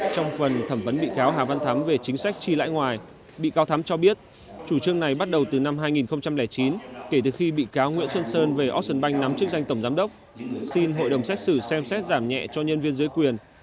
trong phần thẩm vấn bị cáo hà văn thắm về chính sách tri lãi ngoài bị cáo thắm cho biết chủ trương này bắt đầu từ năm hai nghìn chín kể từ khi bị cáo nguyễn xuân sơn về ocean bank nắm chức danh tổng giám đốc xin hội đồng xét xử xem xét giảm nhẹ cho nhân viên dưới quyền